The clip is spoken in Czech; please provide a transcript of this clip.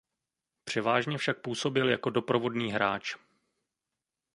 Převážně však působil jako doprovodný hráč.